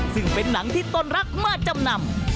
ซึ่งเป็นหนังที่ต้นรักมาจำนำ